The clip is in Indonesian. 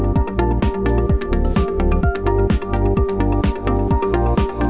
oke ini sudah kering ya kita alasin dulu bisa dilihat nih oh iya sudah kering nih atasnya ya